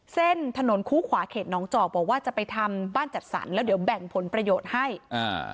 เส้นถนนคู่ขวาเขตน้องจอกบอกว่าจะไปทำบ้านจัดสรรแล้วเดี๋ยวแบ่งผลประโยชน์ให้อ่า